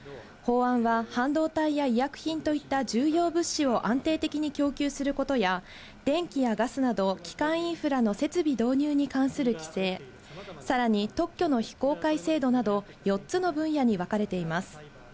法案は半導体や医薬品といった重要物資を安定的に供給することや、電気やガスなど、基幹インフラの設備導入に関する規制、さらに、特許の非公開制度など、４つの分野に分かれています。